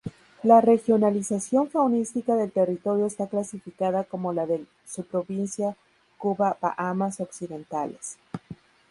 La regionalización faunística del territorio está clasificada como la de subprovincia Cuba-Bahamas Occidentales.